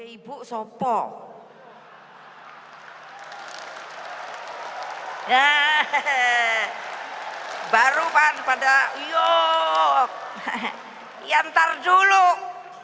ya baru kan pada yuk yang terjuluk